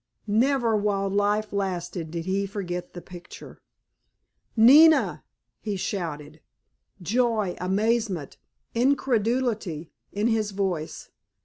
Never while life lasted did he forget the picture. "Nina!" he shouted, joy, amazement, incredulity in his voice.